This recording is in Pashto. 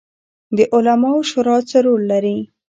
د علماوو شورا څه رول لري؟